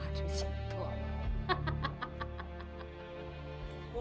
waduh si tua